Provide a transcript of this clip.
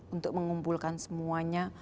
untuk mengumpulkan semuanya